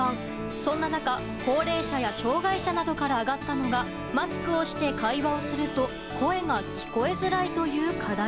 そんな中、高齢者や障害者などから上がったのがマスクをして会話をすると声が聞こえづらいという課題。